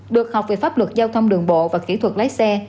được học về pháp luật giao thông đường bộ và kỹ thuật lái xe